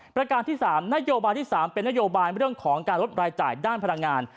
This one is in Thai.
ประการที่๓นโยบายที่๓เป็นนโยบายเรื่องของการลดรายจ่ายด้านพลังงาน